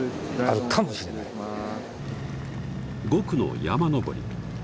５区の山上り